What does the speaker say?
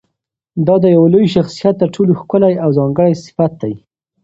دا د یوه لوی شخصیت تر ټولو ښکلی او ځانګړی صفت دی.